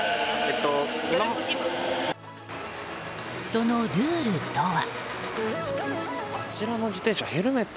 そのルールとは。